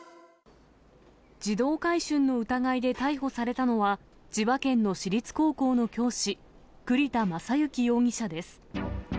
児童買春の疑いで逮捕されたのは、千葉県の私立高校の教師、栗田正行容疑者です。